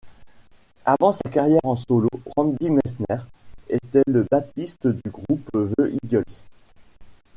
Avant sa carrière en solo, Randy Meisner était le bassiste du groupe The Eagles.